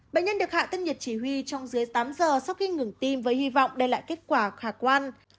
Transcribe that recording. bệnh nhân được hạ thân nhiệt chỉ huy trong dưới tám giờ sau khi ngừng tim với hy vọng đem lại kết quả khả quan